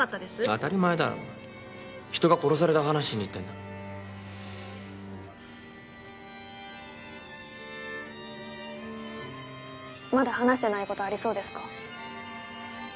当たり前だろ人が殺された話しに行ってんだまだ話してないことありそうですか？